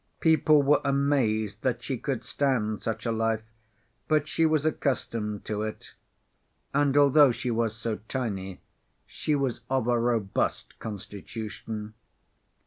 People were amazed that she could stand such a life, but she was accustomed to it, and, although she was so tiny, she was of a robust constitution.